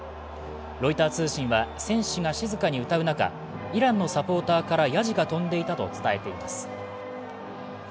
ロイター通信は選手が静かに歌う中、イランのサポーターからやじが飛んでいたと伝えています。